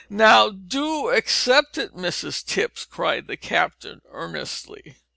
Now, do accept it, Mrs Tipps," cried the captain, earnestly.